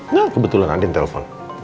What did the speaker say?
nah kebetulan andien telfon